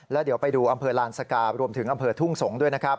แล้วเดี๋ยวไปดูอำเภอลานสการวมถึงอำเภอทุ่งสงศ์ด้วยนะครับ